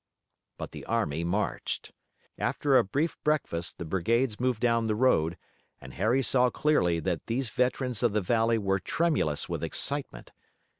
But the army marched. After a brief breakfast the brigades moved down the road, and Harry saw clearly that these veterans of the valley were tremulous with excitement.